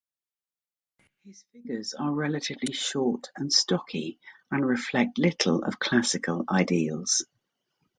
His figures are relatively short and stocky, and reflect little of classical ideals.